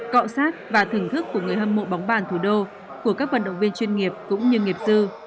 cọ sát và thưởng thức của người hâm mộ bóng bàn thủ đô của các vận động viên chuyên nghiệp cũng như nghiệp sư